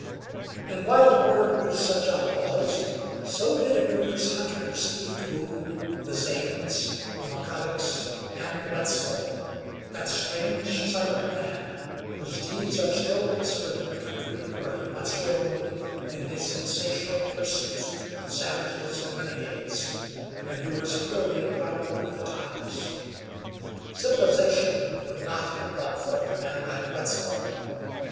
And while the border produced such outlaws so did it produce hunters Eke Boone, the Zanes, the McCollochs, and Wetzel, that strange, silent man whose deeds are still whispered in the country where he once roamed in his insatiate pursuit of savages and renegades, and who was purely a product of the times. Civilization could not have brought forth a man like Wetzel.